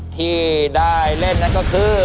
ที่ได้เล่นนั่นก็คือ